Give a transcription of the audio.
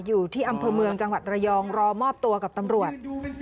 อยู่ที่อำเภอเมืองจังหวัดระยองรอมอบตัวกับตำรวจ